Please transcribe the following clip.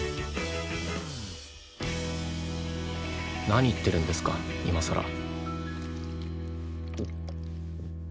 何言ってるんですか今さら。